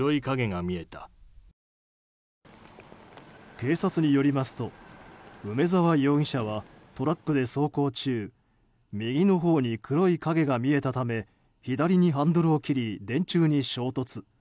警察によりますと梅沢容疑者はトラックで走行中右のほうに黒い影が見えたため左にハンドルを切り電柱に衝突。